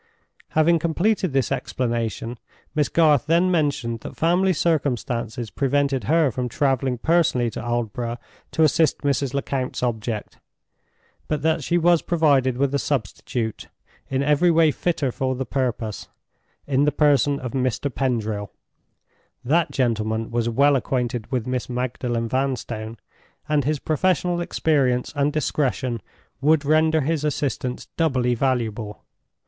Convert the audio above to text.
Having completed this explanation, Miss Garth then mentioned that family circumstances prevented her from traveling personally to Aldborough to assist Mrs. Lecount's object, but that she was provided with a substitute; in every way fitter for the purpose, in the person of Mr. Pendril. That gentleman was well acquainted with Miss Magdalen Vanstone, and his professional experience and discretion would render his assistance doubly valuable.